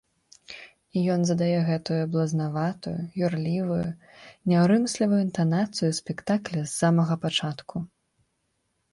І ён задае гэтую блазнаватую, юрлівую, няўрымслівую інтанацыю спектакля з самага пачатку.